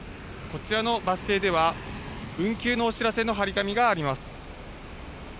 こちらのバス停では、運休のお知らせの貼り紙があります。